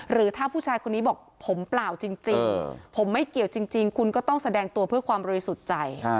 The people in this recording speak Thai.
หรือถ้าผู้ชายคนนี้บอกผมเปล่าจริงผมไม่เกี่ยวจริงคุณก็ต้องแสดงตัวเพื่อความบริสุทธิ์ใจ